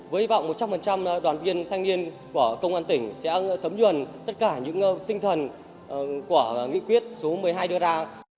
với hy vọng một trăm linh đoàn viên thanh niên của công an tỉnh sẽ thấm nhuần tất cả những tinh thần của nghị quyết số một mươi hai đưa ra